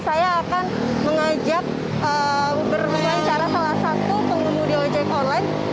saya akan mengajak berwawancara salah satu pengemudi ojek online